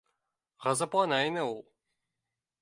Ғазаплана ине ул